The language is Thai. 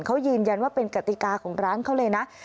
เขายืนยันว่าเป็นกติกาของร้านเขาเลยนะ